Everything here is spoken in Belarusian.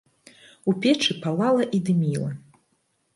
У печы палала і дыміла.